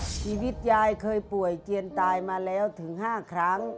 ชีวิตยายเคยป่วยเจียนตายมาแล้วถึง๕ครั้ง